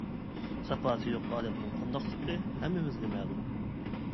ساپاسى يوق ئادەمنىڭ قانداقلىقى ھەممىمىزگە مەلۇم.